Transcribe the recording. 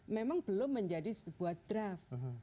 memang belum menjadi sebuah draft